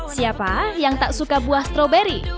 siapa yang tak suka buah stroberi